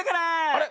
あれ？